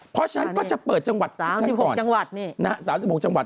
เพราะฉะนั้นก็จะเปิดจังหวัด๓๖จังหวัด